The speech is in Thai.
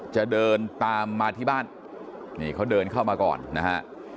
จะเดินตามมาที่บ้านนี่เขาเดินเข้ามาก่อนนะฮะ